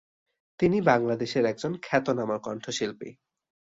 তিনি বাংলাদেশের একজন খ্যাতনামা কণ্ঠশিল্পী।